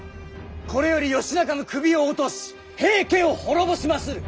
これより義仲の首を落とし平家を滅ぼしまする！